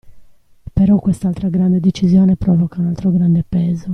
Però quest'altra grande decisione provoca un altro grande peso.